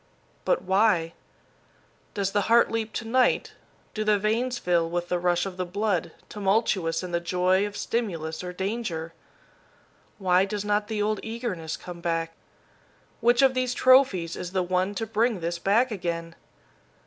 But why? Does the heart leap to night, do the veins fill with the rush of the blood, tumultuous in the joy of stimulus or danger? Why does not the old eagerness come back? Which of these trophies is the one to bring this back again?